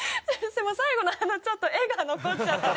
最後のちょっと絵が残っちゃって。